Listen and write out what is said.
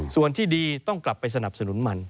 ส่วนที่ดีต้องกลับไปสนับสนุนมัน